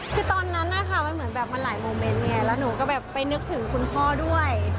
คือตอนนั้นนะคะมันเหมือนแบบมันหลายโมเมนต์ไงแล้วหนูก็แบบไปนึกถึงคุณพ่อด้วย